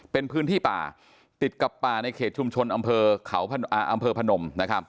เป็นพื้นที่ป่าติดกับป่าในเขตชุมชนอำเภอพนม